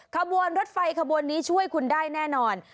ขบวนรถไฟขบวนนี้ช่วยคุณได้แน่นอน